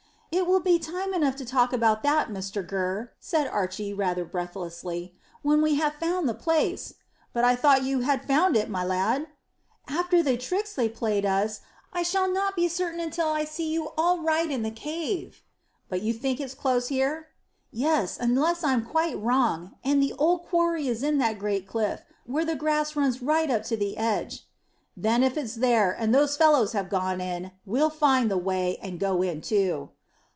"It will be time enough to talk about that, Mr Gurr," said Archy rather breathlessly, "when we have found the place." "But I thought you had found it, my lad!" "After the tricks played us, I shall not be certain until I see you all right in the cave." "But you think it's close here?" "Yes; unless I am quite wrong, the old quarry is in that great cliff where the grass runs right up to the edge." "Then if it's there, and those fellows have gone in, we'll find the way, and go in too."